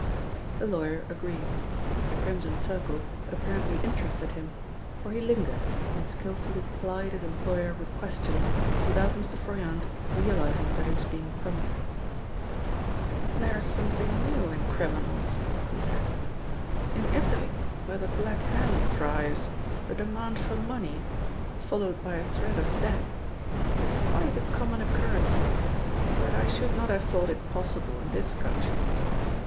The lawyer agreed. The Crimson Circle apparently interested him, for he lingered, and skillfully plied his employer with questions without Mr. Froyant realising that he was being pumped. "They are something new in criminals," he said. "In Italy, where the Black Hand thrives, the demand for money, followed by a threat of death, is quite a common occurrence, but I should not have thought it possible in this country.